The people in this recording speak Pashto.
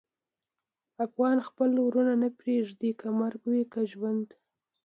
افغان خپل ورور نه پرېږدي، که مرګ وي که ژوند.